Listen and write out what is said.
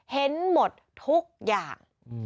เห็นหมดทุกอย่าง